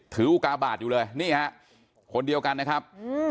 อุกาบาทอยู่เลยนี่ฮะคนเดียวกันนะครับ